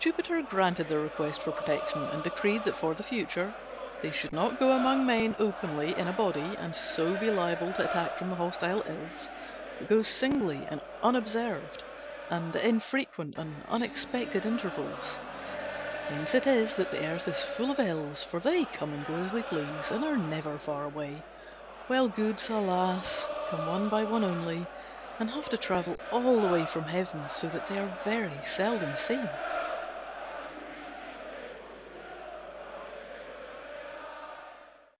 Jupiter granted their request for protection, and decreed that for the future they should not go among men openly in a body, and so be liable to attack from the hostile Ills, but singly and unobserved, and at infrequent and unexpected intervals. Hence it is that the earth is full of Ills, for they come and go as they please and are never far away; while Goods, alas! come one by one only, and have to travel all the way from heaven, so that they are very seldom seen.